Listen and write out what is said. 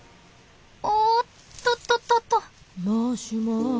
おっとっとっとっと。